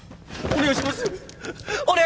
お願いします！